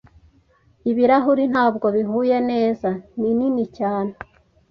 Ibirahuri ntabwo bihuye neza. Ninini cyane.